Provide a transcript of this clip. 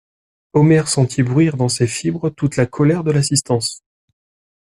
Omer sentit bruire dans ses fibres toute la colère de l'assistance.